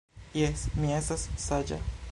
Jes, mi estas saĝa